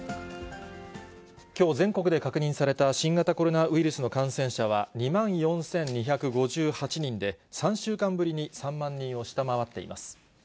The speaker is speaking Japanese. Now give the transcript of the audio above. きょう全国で確認された新型コロナウイルスの感染者は２万４２５８人で、３週間ぶりに３万人を下回っています。